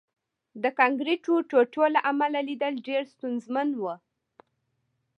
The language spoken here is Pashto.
د کانکریټو ټوټو له امله لیدل ډېر ستونزمن وو